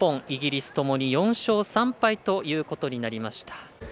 イギリスともに４勝３敗ということになりました。